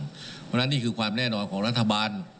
เพราะฉะนั้นนี่คือความแน่นอนของรัฐบาล